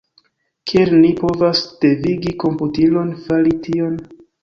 Kiel ni povas devigi komputilon fari tion?